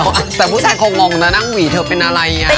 อัแต่ผู้ชายคงมองนักนั่งหวี่เรื่องก็เพียงอะไรอ่า